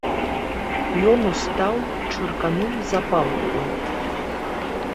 Ён устаў, чыркануў запалку.